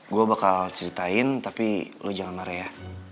gue bakal ceritain tapi lo jangan marah ya